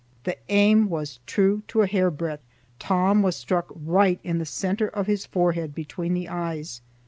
The aim was true to a hair breadth. Tom was struck right in the centre of his forehead, between the eyes.